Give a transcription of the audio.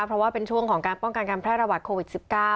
เพราะว่าเป็นช่วงของการป้องกันการแพร่ระบาดโควิด๑๙